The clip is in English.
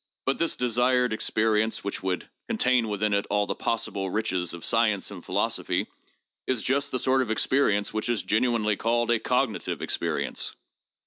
But this desired experience, which would contain within it all the possible riches of science and philosophy, is just the sort of experience which is generally called a cognitive experience.